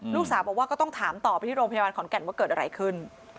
ลูกสาวบอกว่าก็ต้องถามต่อไปที่โรงพยาบาลขอนแก่นว่าเกิดอะไรขึ้น